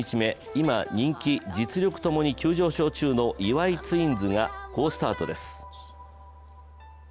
今、人気・実力ともに上昇中の岩井ツインズが好スタートです。